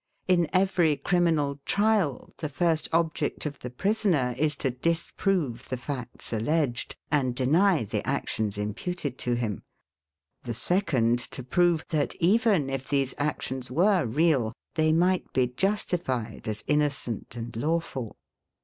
In every criminal trial the first object of the prisoner is to disprove the facts alleged, and deny the actions imputed to him: the second to prove, that, even if these actions were real, they might be justified, as innocent and lawful.